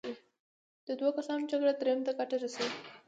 د دوو کسانو جګړه دریم ته ګټه رسوي.